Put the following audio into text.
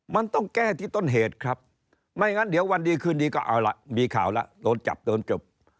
มันต้องแก้ที่ต้นเหตุครับไม่งั้นเดี๋ยววันดีคืนดีก็เอาล่ะมีข่าวแล้วโดนจับโดนจบ